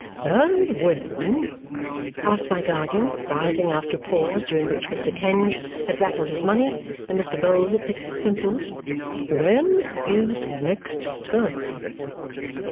"And when," asked my guardian, rising after a pause, during which Mr. Kenge had rattled his money and Mr. Vholes had picked his pimples, "when is next term?"